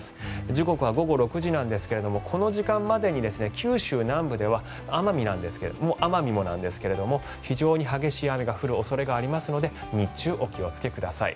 時刻は午後６時なんですがこの時間までに九州南部では奄美もなんですが非常に激しい雨が降る恐れがありますので日中お気をつけください。